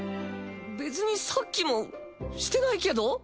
べ別にさっきもしてないけど。